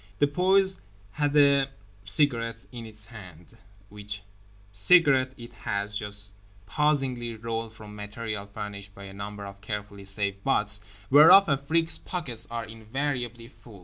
The poise has a cigarette in its hand, which cigarette it has just pausingly rolled from material furnished by a number of carefully saved butts (whereof Afrique's pockets are invariably full).